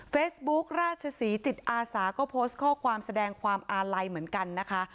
ราชศรีจิตอาสาก็โพสต์ข้อความแสดงความอาลัยเหมือนกันนะคะ